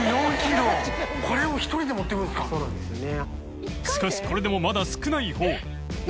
そうなんですよね。